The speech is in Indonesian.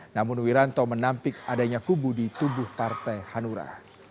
namun wiranto menampik adanya kubu di tubuh partai hanura